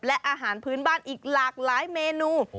และอาหารพื้นบ้านอีกหลากหลายเมนู